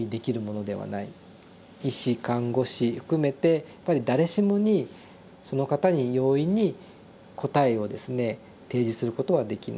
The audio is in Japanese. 医師看護師含めてやっぱり誰しもにその方に容易に答えをですね提示することはできない。